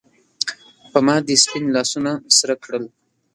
پۀ ما دې سپین لاسونه سرۀ کړل